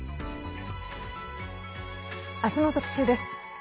明日の特集です。